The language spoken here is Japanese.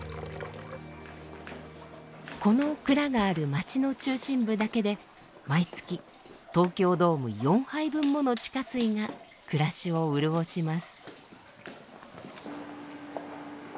この蔵がある街の中心部だけで毎月東京ドーム４杯分もの地下水が暮らしを潤します。